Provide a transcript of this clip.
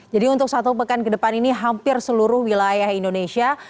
jadi untuk satu pekan ke depan ini hampir seluruh wilayah indonesia